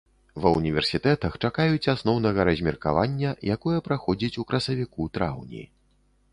Ва ўніверсітэтах чакаюць асноўнага размеркавання, якое праходзіць у красавіку-траўні.